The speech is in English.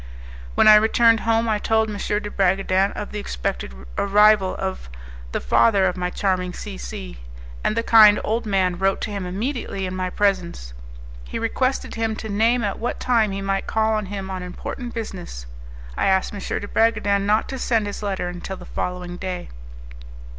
When I returned home, I told M. de Bragadin of the expected arrival of the father of my charming C C , and the kind old man wrote to him immediately in my presence. He requested him to name at what time he might call on him on important business. I asked M. de Bragadin not to send his letter until the following day.